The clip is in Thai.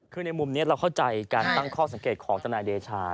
คือในมุมนี้เราเข้าใจการตั้งข้อสังเกตของทนายเดชา